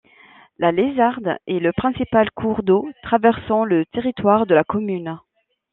La Lézarde est le principal cours d'eau traversant le territoire de la commune.